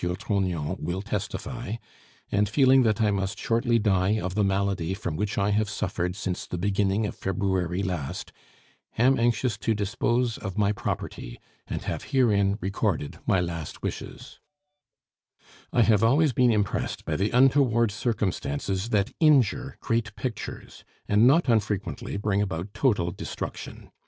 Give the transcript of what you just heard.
Trognon, will testify), and feeling that I must shortly die of the malady from which I have suffered since the beginning of February last, am anxious to dispose of my property, and have herein recorded my last wishes: "I have always been impressed by the untoward circumstances that injure great pictures, and not unfrequently bring about total destruction.